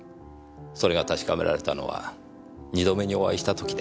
それが確かめられたのは２度目にお会いした時でした。